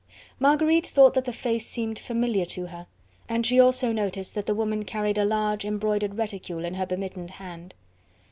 Marguerite thought that the face seemed familiar to her, and she also noticed that the woman carried a large embroidered reticule in her bemittened hand.